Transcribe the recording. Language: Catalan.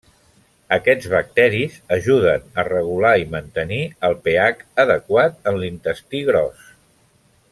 Aquests bacteris ajuden a regular i mantenir el pH adequat en l'intestí gros.